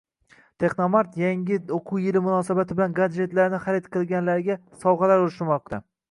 Texnomart yangi o‘quv yili munosabati bilan gadjetlarni xarid qilganlarga sovg‘alar ulashmoqda